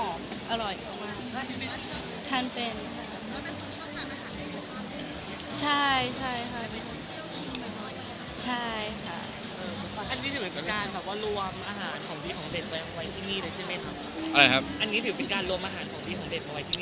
อันนี้ถือเป็นการแบบว่าอาหารของดีของเด็ดเอาไว้ที่นี่